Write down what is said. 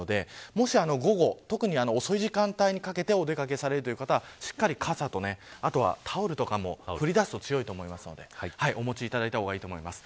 もし午後、特に遅い時間帯にかけてお出掛けされるという方はしっかり傘とタオルとか、降りだすと強いと思いますので持った方がいいと思います。